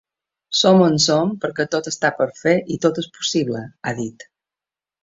“Som on som perquè tot està per fer i tot és possible”, ha dit.